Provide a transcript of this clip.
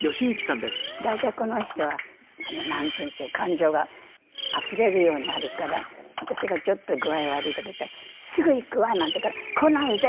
大体この人はなんていうんでしょう感情があふれるようにあるから私がちょっと「具合悪い」とか言ったら「すぐ行くわ！」なんて言うから「来ないで！」